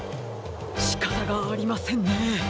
しかたがありませんね。